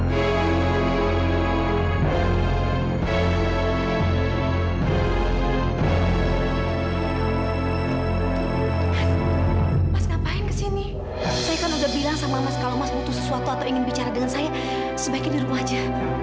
pas ngapain kesini saya kan udah bilang sama mas kalau mas butuh sesuatu atau ingin bicara dengan saya sebaiknya di rumah aja